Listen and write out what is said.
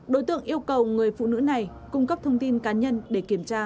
đối tượng yêu cầu người phụ nữ này cung cấp thông tin cá nhân để kiểm tra